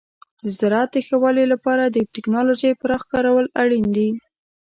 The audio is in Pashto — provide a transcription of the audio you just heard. د زراعت د ښه والي لپاره د تکنالوژۍ پراخ کارول اړین دي.